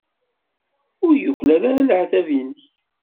Ur yuklal ara leɛtab-nnek.